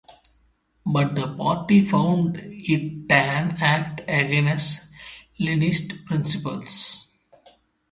But the party found it an act against Leninist principles.